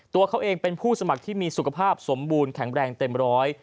ตัวเขาเองเป็นผู้สมัครที่มีสุขภาพสมบูรณ์แข็งแรงเต็มร้อย